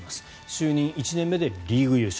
就任１年目でリーグ優勝。